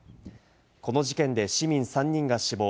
この事件で市民３人が死亡。